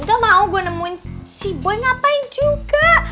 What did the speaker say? ga mau gua nemuin si boy ngapain juga